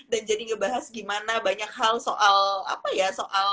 dan jadi ngebahas gimana banyak hal soal apa ya soal